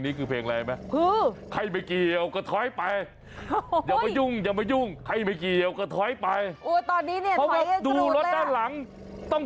ดีฉันยังไม่เป็นนางฟ้าขนาดน่ะ